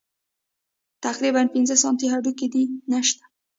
تقريباً پينځه سانتۍ هډوکى دې نشته.